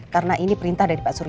karena ini perintah dari pak riki